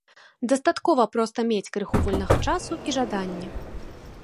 Дастаткова проста мець крыху вольнага часу і жаданне.